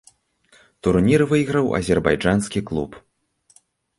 Турнір выйграў азербайджанскі клуб.